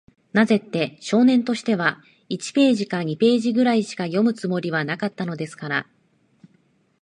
なぜって、少年としては、一ページか二ページぐらいしか読むつもりはなかったのですから。